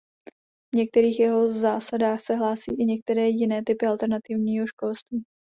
K některým jeho zásadám se hlásí i některé jiné typy alternativního školství.